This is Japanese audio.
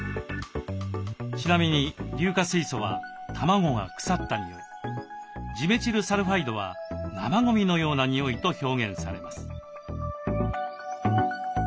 ちなみに硫化水素は卵が腐った臭いジメチルサルファイドは生ごみのような臭いと表現されます。